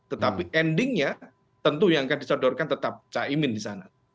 tetapi endingnya tentu yang akan disodorkan tetap caimin di sana